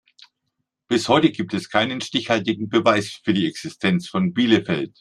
Bis heute gibt es keinen stichhaltigen Beweis für die Existenz von Bielefeld.